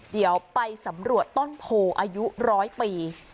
เดี๋ยวไปสำรวจต้นโพอายุร้อยปี